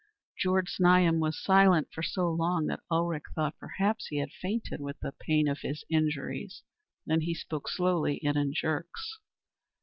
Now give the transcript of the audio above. Georg Znaeym was silent for so long that Ulrich thought, perhaps, he had fainted with the pain of his injuries. Then he spoke slowly and in jerks.